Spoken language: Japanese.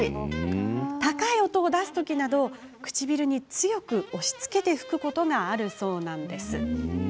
高い音を出す時など唇に強く押しつけて吹くことがあるそうなんです。